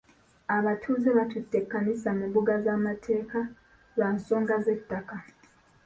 Abatuuze batutte ekkanisa mu mbuga z'amateeka lwa nsonga z'ettaka.